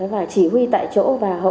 và chỉ huy tại chỗ